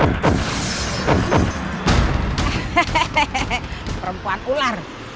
hehehehe perempuan ular